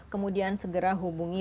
kemudian segera hubungi